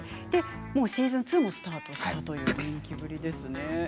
もうシーズン２がスタートしたという人気ぶりですね。